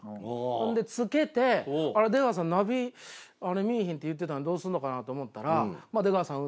ほんでつけて出川さんナビ見ぃひんって言ってたのにどうすんのかなと思ったら。